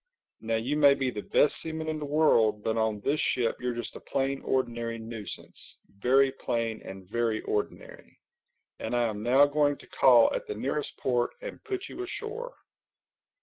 Now you may be the best seaman in the world, but on this ship you're just a plain ordinary nuisance—very plain and very ordinary. And I am now going to call at the nearest port and put you ashore."